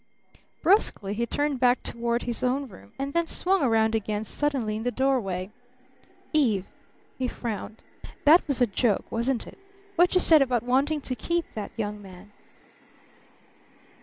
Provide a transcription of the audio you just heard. Bruskly he turned back toward his own room, and then swung around again suddenly in the doorway. "Eve," he frowned. "That was a joke wasn't it? what you said about wanting to keep that young man?"